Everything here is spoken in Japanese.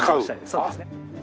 そうですね。